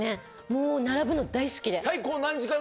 もう並ぶの大好きで。